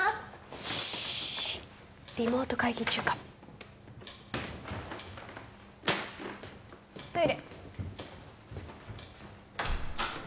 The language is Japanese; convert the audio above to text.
シーッリモート会議中かもトイレ